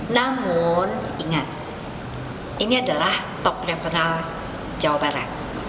namun ingat ini adalah top referal jawa barat